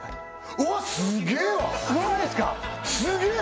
うわっすげえわすげえ！